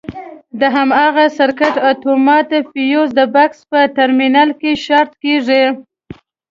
د هماغه سرکټ اتومات فیوز د بکس په ترمینل کې شارټ کېږي.